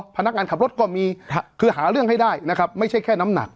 พนักงานขับรถก็มีคือหาเรื่องให้ได้นะครับไม่ใช่แค่น้ำหนัก